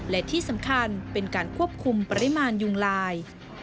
และที่สำคัญเป็นการควบคุมปริมาณยุงลาย